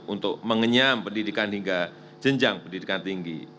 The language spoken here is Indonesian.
untuk mengenyam pendidikan hingga jenjang pendidikan tinggi